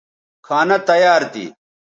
کھانہ تیار تھی